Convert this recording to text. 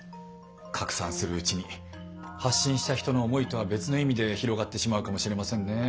拡散するうちに発信した人の思いとは別の意味で広がってしまうかもしれませんね。